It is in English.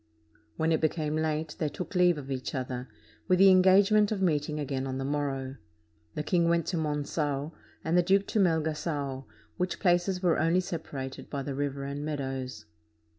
When it became late, they took leave of each other, with the engagement of meeting again on the morrow. The king went to Mongao, and the duke to Melga^o, which places were only separated by the river and meadows.